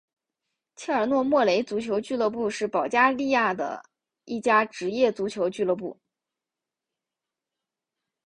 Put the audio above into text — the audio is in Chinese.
切尔诺莫雷足球俱乐部是保加利亚的一家职业足球俱乐部。